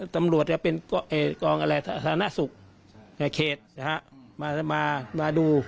ตำรวจก็เป็นกองธนสุขในเขตมาดู